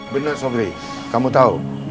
bener sobri kamu tahu